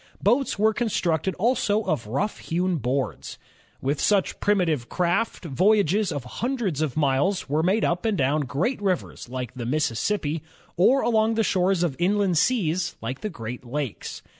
Boats were constructed also of rough hewn boards. With such primitive craft, voyages of hundreds of miles were made up and down great rivers like the Mississippi, or along the shores of inland seas like the Great Lakes.